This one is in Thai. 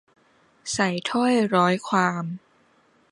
ใส่ถ้อยร้อยความ